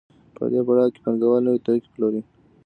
په دې پړاو کې پانګوال نوي توکي پلوري